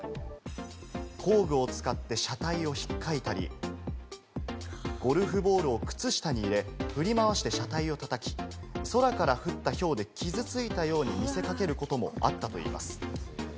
工具を使って車体をひっかいたり、ゴルフボールを靴下に入れ、振り回して車体をたたき、空から降ったひょうで傷ついたように見せかけることもあったといいます。